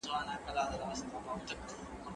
ابن خلدون تمدن څېړي.